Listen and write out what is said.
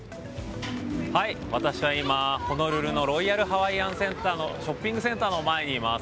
私は今ホノルルのロイヤル・ハワイアン・センターのショッピングセンターの前にいます。